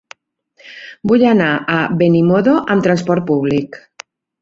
Vull anar a Benimodo amb transport públic.